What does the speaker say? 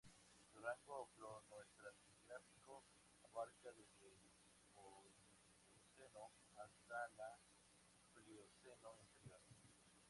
Su rango cronoestratigráfico abarca desde el Oligoceno hasta la Plioceno inferior.